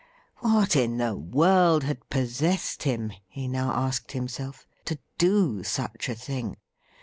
What in the world had possessed him, he now asked himself, to do such a thing